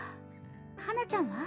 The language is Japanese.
花ちゃんは？